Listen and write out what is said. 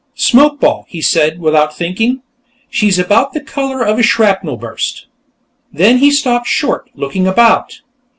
"Smokeball," he said, without thinking. "She's about the color of a shrapnel burst...." Then he stopped short, looking about.